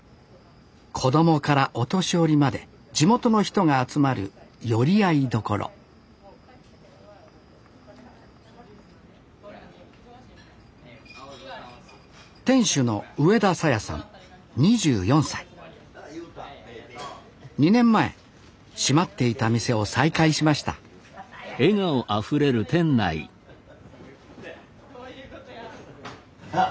子供からお年寄りまで地元の人が集まる寄り合い所店主の２年前閉まっていた店を再開しましたあっ